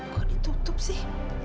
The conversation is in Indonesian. kok ditutup sih